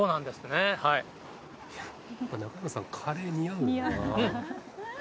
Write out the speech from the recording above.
中山さん、カレー似合うな。